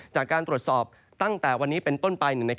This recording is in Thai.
จากการตรวจสอบตั้งแต่วันนี้เป็นต้นปลายหนึ่ง